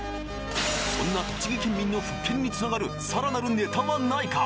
そんな栃木県民の復権につながるさらなるネタはないか！？